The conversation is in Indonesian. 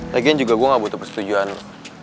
lagian juga gue gak butuh persetujuan